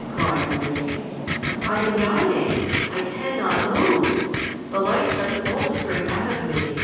cried Nycteris. "I am dying! I can not move. The light sucks all the strength out of me.